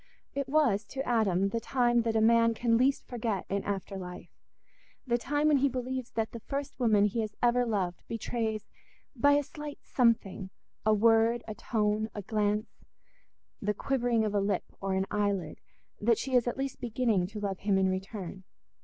It was to Adam the time that a man can least forget in after life, the time when he believes that the first woman he has ever loved betrays by a slight something—a word, a tone, a glance, the quivering of a lip or an eyelid—that she is at least beginning to love him in return.